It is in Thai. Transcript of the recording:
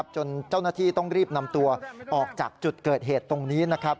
จนเจ้าหน้าที่ต้องรีบนำตัวออกจากจุดเกิดเหตุตรงนี้นะครับ